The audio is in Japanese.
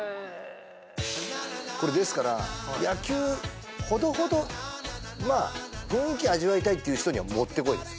これですから野球ほどほどまあ雰囲気味わいたいっていう人にはもってこいです